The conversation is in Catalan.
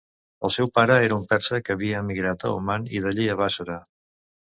El seu pare era un persa que havia emigrat a Oman i d'allí a Bàssora.